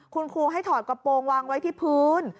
คุณครูให้ถอดกระโปรงวางไว้ที่พื้น